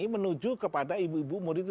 menuju kepada ibu ibu umur itu